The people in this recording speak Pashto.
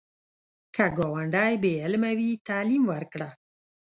که ګاونډی بې علمه وي، تعلیم ورکړه